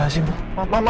mereka akan mengambil elsa